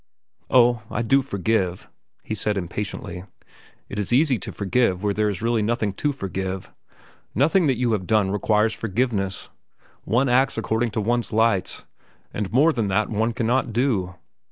"Oh, I do forgive," he said impatiently. "It is easy to forgive where there is really nothing to forgive. Nothing that you have done requires forgiveness. One acts according to one's lights, and more than that one cannot do.